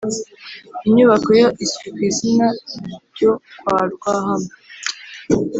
Inyubako yo izwi kwizina ryo kwa rwahama